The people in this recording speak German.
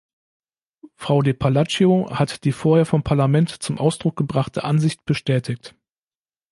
Frau de Palacio hat die vorher vom Parlament zum Ausdruck gebrachte Ansicht bestätigt.